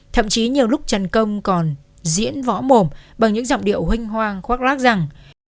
thậm chí nhiều lúc trần công còn diễn võ mồm bằng những giọng điệu huynh hoang khoác lác rằng